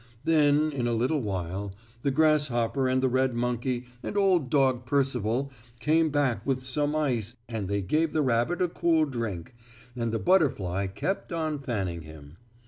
Then, in a little while, the grasshopper and the red monkey and Old Dog Percival came back with some ice and they gave the rabbit a cool drink, and the butterfly kept on fanning him.